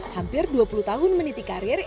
hampir dua puluh tahun meniti karir